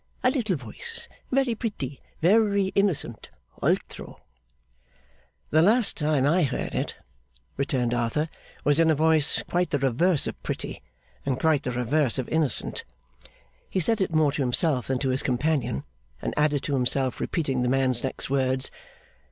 A little voice, very pretty, very innocent. Altro!' 'The last time I heard it,' returned Arthur, 'was in a voice quite the reverse of pretty, and quite the reverse of innocent.' He said it more to himself than to his companion, and added to himself, repeating the man's next words.